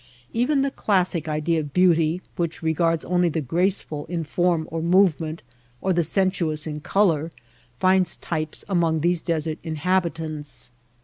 Even the classic idea of beauty, which re gards only the graceful in form or movement or the sensuous in color, finds types among these desert inhabitants.